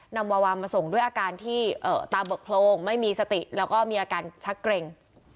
นำวาวามาส่งด้วยอาการที่ตาเบิกโพรงไม่มีสติแล้วก็มีอาการชักเกร็ง